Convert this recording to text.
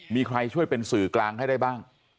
มีใครช่วยเป็นสื่อกลางให้ได้บ้าง